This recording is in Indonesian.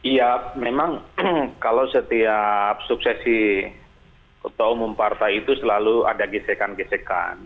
ya memang kalau setiap suksesi ketua umum partai itu selalu ada gesekan gesekan